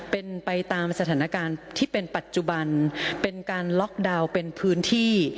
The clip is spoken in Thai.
เป็นไปตามสถานการณ์ที่เป็นปัจจุบันเป็นการล็อกดาวน์เป็นพื้นที่